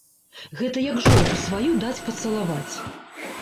Гэта як жонку сваю даць пацалаваць.